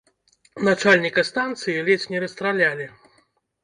Начальніка станцыі ледзь не расстралялі.